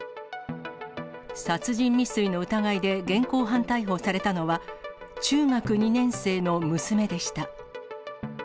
殺人未遂の疑いで現行犯逮捕されたのは、中学２年生の娘でした。